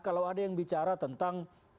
kalau ada yang bicara tentang